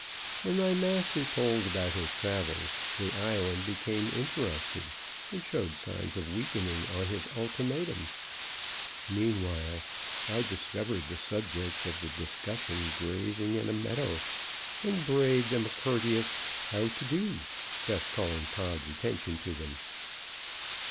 When my master told about his travels, the Iowan became interested, and showed signs of weakening on his ultimatum. Meanwhile, I discovered the subjects of the discussion grazing in a meadow, and brayed them a courteous "how to do," thus calling Pod's attention to them.